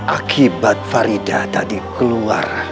akibat faridah tadi keluar